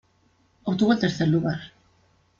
Obtuvo el tercer lugar.